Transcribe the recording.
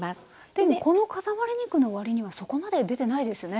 でもこのかたまり肉の割にはそこまで出てないですね。